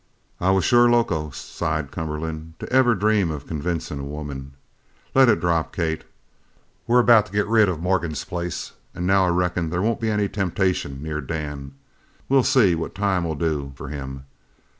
"I was sure loco," sighed Cumberland, "to ever dream of convincin' a woman. Let it drop, Kate. We're about to get rid of Morgan's place, an' now I reckon there won't be any temptation near Dan. We'll see what time'll do for him.